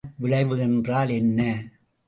Barnett விளைவு என்றால் என்ன?